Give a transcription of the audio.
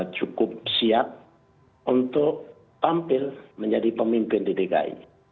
cukup siap untuk tampil menjadi pemimpin di dki